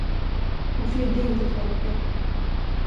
Hon flydde in till Torkel.